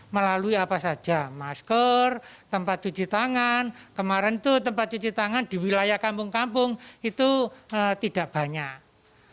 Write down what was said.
melalui apa saja masker tempat cuci tangan kemarin itu tempat cuci tangan di wilayah kampung kampung itu tidak banyak